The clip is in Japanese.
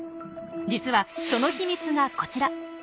実はその秘密がこちら。